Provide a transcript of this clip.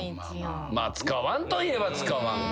まあ使わんといえば使わんか。